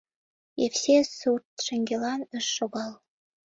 Евсей сурт шеҥгелан ыш шогал.